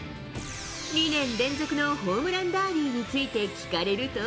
２年連続のホームランダービーについて聞かれると。